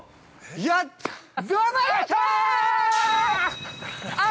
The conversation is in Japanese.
◆やったー！